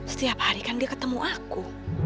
setiap hari kan dia ketemu aku